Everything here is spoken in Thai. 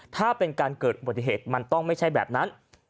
ถ้าเป็นการเกิดอุบัติเหตุมันต้องไม่ใช่แบบนั้น